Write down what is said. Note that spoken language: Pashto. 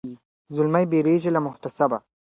زلمي بېریږي له محتسبه ,